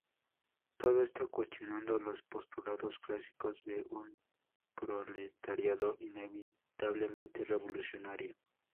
Todo esto, cuestionando los postulados clásicos de un proletariado inevitablemente revolucionario.